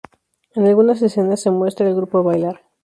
En algunas escenas se muestra al grupo bailar.